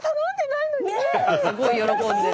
すごい喜んでる。